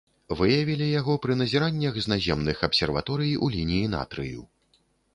Выявілі яго пры назіраннях з наземных абсерваторый у лініі натрыю.